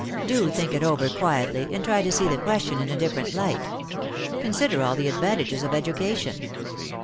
" Do think it over quietly, and try to see the question in a different light. Consider all the advantages of education."